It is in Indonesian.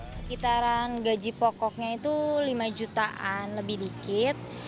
sekitaran gaji pokoknya itu lima jutaan lebih dikit